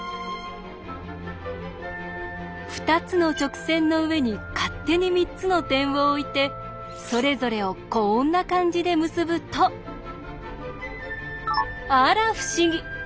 ２つの直線の上に勝手に３つの点を置いてそれぞれをこんな感じで結ぶとあら不思議！